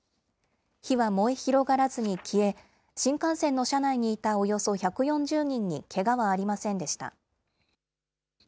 火は燃え広がらずに消え、新幹線の車内にいたおよそ１４０人にけがはありませんでした。